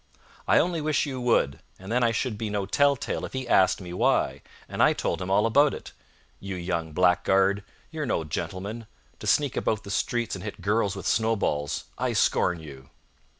"I only wish you would, and then I should be no tell tale if he asked me why, and I told him all about it. You young blackguard! You're no gentleman! To sneak about the streets and hit girls with snowballs! I scorn you!"